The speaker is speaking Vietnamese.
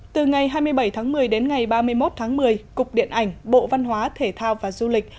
từ ngày hai mươi bảy tháng một mươi đến ngày ba mươi một tháng một mươi cục điện ảnh bộ văn hóa thể thao và du lịch